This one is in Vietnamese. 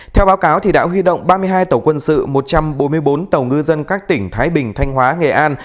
theo báo cáo đã huy động ba mươi hai tàu quân sự một trăm bốn mươi bốn tàu ngư dân các tỉnh thái bình thanh hóa nghệ an